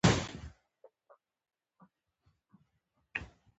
د ټکنالوجۍ پراختیا د معلوماتو مدیریت آسانوي.